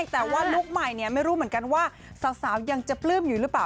แต่ว่าลุคใหม่เนี่ยไม่รู้เหมือนกันว่าสาวยังจะปลื้มอยู่หรือเปล่า